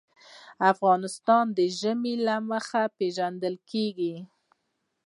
افغانستان د ژمی له مخې پېژندل کېږي.